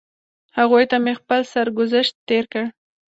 هغوی ته مې خپل سرګذشت تېر کړ.